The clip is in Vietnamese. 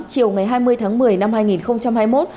chiều ngày hai mươi tháng một mươi năm hai nghìn hai mươi một